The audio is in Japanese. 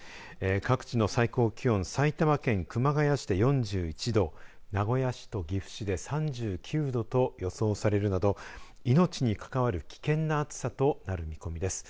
各地の最高気温埼玉県熊谷市で４１度名古屋市と岐阜市で３９度と予想されるなど命に関わる危険な暑さとなる見込みです。